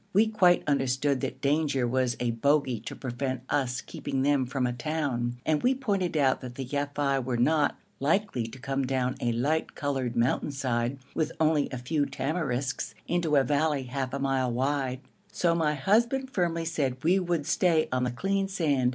We quite understood that danger was a bogey to prevent us keeping them from a town, and we pointed out that the Yafei were not likely to come down a light coloured mountainside with only a few tamarisks into a valley half a mile wide; so my husband firmly said we would stay on the clean sand.